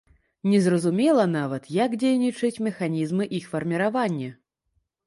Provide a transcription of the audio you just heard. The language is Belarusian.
Незразумела нават, як дзейнічаюць механізмы іх фарміравання.